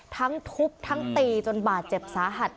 ทั้งทุบทั้งตีจนบาดเจ็บสาหัส